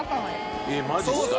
えっマジっすか。